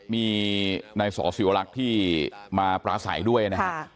มีในส่อสิวรักษณ์ที่มาประสัยด้วยนะครับ